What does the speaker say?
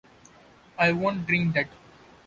I won’t drink that.